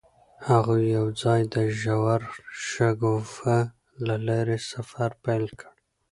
هغوی یوځای د ژور شګوفه له لارې سفر پیل کړ.